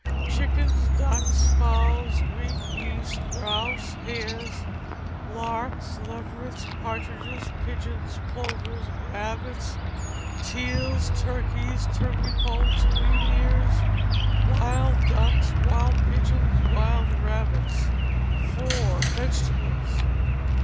Chickens, ducks, fowls, green geese, grouse, hares, larks, leverets, partridges, pigeons, plovers, rabbits, teal, turkeys, turkey poults, wheat ears, wild ducks, wild pigeons, wild rabbits. iv. Vegetables.